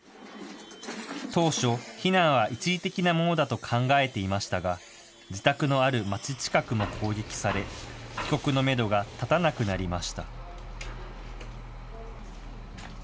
当初、避難は一時的なものだと考えていましたが、自宅のある町近くも攻撃され、帰国のメドが立たなくなりました。